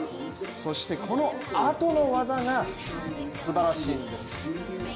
そして、このあとの業がすばらしいんです。